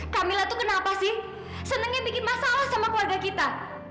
kamila tuh kenapa sih senangnya bikin masalah sama keluarga kita